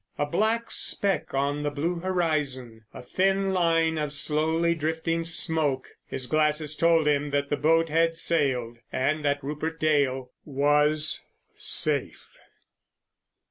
A black speck on the blue horizon; a thin line of slowly drifting smoke! His glasses told him that the boat had sailed, and that Rupert Dale was safe.